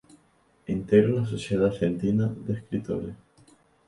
Integra la Sociedad Argentina de Escritores.